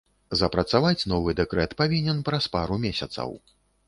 Запрацаваць новы дэкрэт павінен праз пару месяцаў.